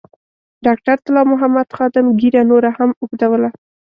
ډاکټر طلا محمد خادم ږیره نوره هم اوږدوله.